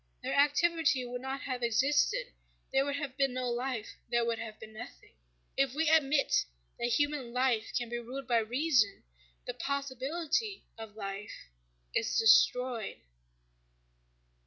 Their activity would not have existed: there would have been no life, there would have been nothing. If we admit that human life can be ruled by reason, the possibility of life is destroyed.